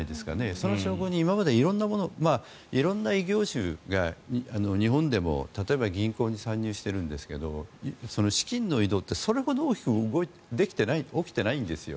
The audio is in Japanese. その証拠に、今まで色んな業種が日本でも例えば銀行に参入してるんですが資金の移動ってそれほど大きく起きていないんですよ。